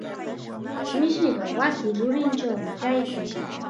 Mishiqa wasi rurinchawmi kaykan.